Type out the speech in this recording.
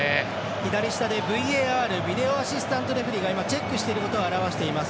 左下でＶＡＲ＝ビデオ・アシスタント・レフェリーが今、チェックしていることを表しています。